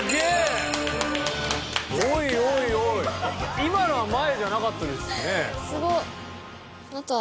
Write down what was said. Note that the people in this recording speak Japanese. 今のは前じゃなかったですね。